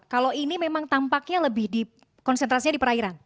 kalau ini memang tampaknya lebih di konsentrasinya di perairan